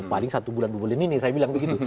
paling satu bulan dua bulan ini nih saya bilang begitu